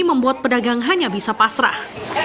membuat pedagang hanya bisa pasrah